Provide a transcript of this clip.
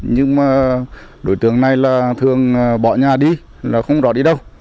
nhưng đối tượng này thường bỏ nhà đi không rõ đi đâu